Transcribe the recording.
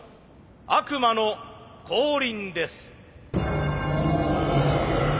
悪魔の降臨です。